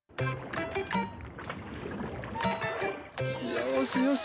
よーしよし。